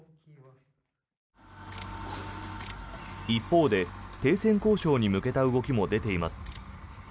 一方で停戦交渉に向けた動きも出ています。